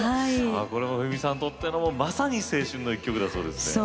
これも冬美さんにとってまさに青春の一曲だそうですね。